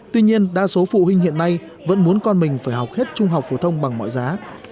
tuy nhiên đa số phụ huynh hiện nay vẫn muốn con mình phải học hết trung học phổ thông bằng mọi giá